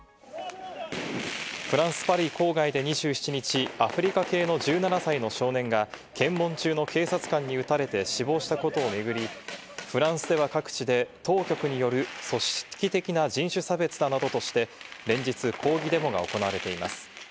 フランス・パリ郊外で２７日、アフリカ系の１７歳の少年が検問中の警察官に撃たれて死亡したことを巡り、フランスでは各地で当局による組織的な人種差別だなどとして、連日抗議デモが行われています。